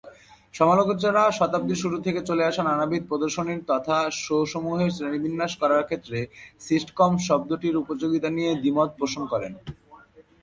সমালোচকরা শতাব্দীর শুরু থেকে চলে আসা নানাবিধ প্রদর্শনী তথা শো-সমূহের শ্রেণীবিন্যাস করার ক্ষেত্রে "সিটকম" শব্দটির উপযোগিতা নিয়ে দ্বিমত পোষণ করেন।